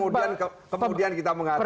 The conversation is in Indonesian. dan kemudian kita mengatakan bahwa